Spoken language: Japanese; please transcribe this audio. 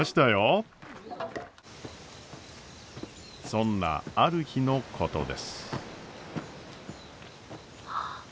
そんなある日のことです。